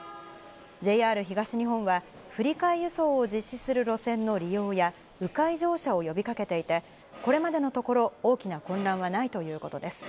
ＪＲ東日本は、振り替え輸送を実施する路線の利用や、う回乗車を呼びかけていて、これまでのところ、大きな混乱はないということです。